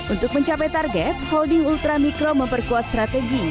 untuk mencapai target holding ultra mikro memperkuat strategi